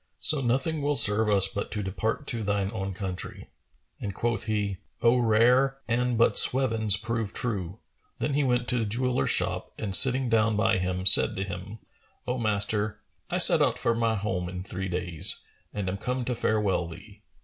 So nothing will serve us but to depart to thine own country." And quoth he, "O rare! an but swevens prove true!"[FN#434] Then he went to the jeweller's shop and sitting down by him, said to him, "O master, I set out for home in three days' time, and am come to farewell thee.